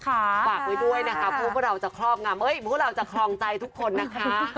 ฝากไว้ด้วยนะคะเพื่อขอบคลองใจทุกคนนะคะ